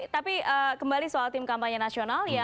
tapi kembali soal tim kampanye nasional ya